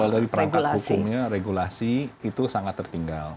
kalau dari perangkat hukumnya regulasi itu sangat tertinggal